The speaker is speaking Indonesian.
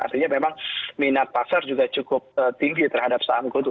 artinya memang minat pasar juga cukup tinggi terhadap saham group